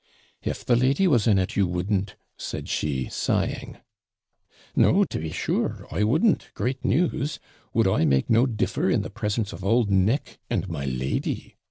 'If the lady was in it, you wouldn't,' said she, sighing. 'No, to be sure, I wouldn't; great news! would I make no DIFFER in the presence of old Nick and my lady?'